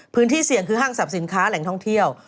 พื้นที่เสี่ยงคือห้างสรรพสินค้าแหล่งท่องเที่ยว